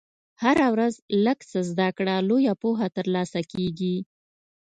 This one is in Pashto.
هره ورځ لږ څه زده کړه، لویه پوهه ترلاسه کېږي.